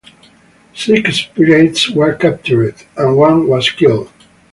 Six pirates were captured and one was killed.